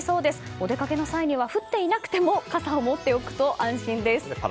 お出かけの際には降っていなくても傘を持っておくと安心です。